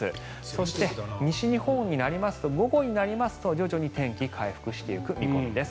そして、西日本になりますと午後になりますと徐々に天気回復していく見込みです。